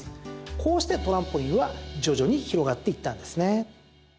こうしてトランポリンは徐々に広がっていったんですね。